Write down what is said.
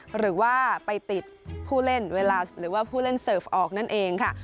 หรือว่าไปติดผู้เล่นเวลาหรือว่าผู้เล่นเสิร์ฟออกนั่นเองค่ะ